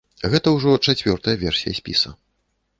Гэта ўжо чацвёртая версія спіса.